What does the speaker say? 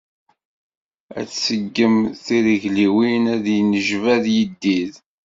Ad tseggem tirigliwin, ad yennejbad yiddid.